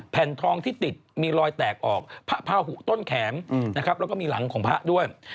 แผ่นทองที่ติดมีรอยแตกออกพระหุต้นแขนนะครับแล้วก็มีหลังของพระด้วย